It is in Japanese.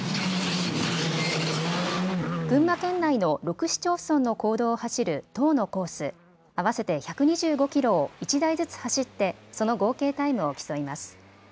群馬県内の６市町村の公道を走る１０のコース、合わせて１２５キロを１台ずつ走ってその合計タイムを競います。